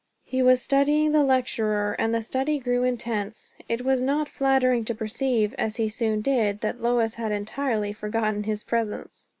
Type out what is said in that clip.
He was studying the lecturer. And the study grew intense. It was not flattering to perceive, as he soon did, that Lois had entirely forgotten his presence.